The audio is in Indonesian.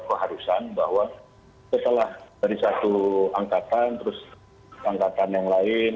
keharusan bahwa setelah dari satu angkatan terus angkatan yang lain